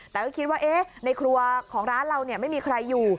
แต่ก็คิดว่าในครัวของร้านเราไม่มีใครอยู่